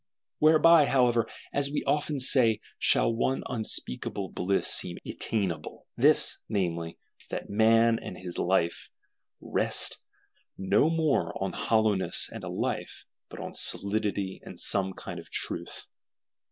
Whereby, however, as we often say, shall one unspeakable blessing seem attainable. This, namely: that Man and his Life rest no more on hollowness and a Lie, but on solidity and some kind of Truth.